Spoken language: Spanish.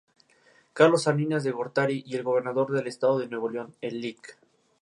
Esta vez a Módena.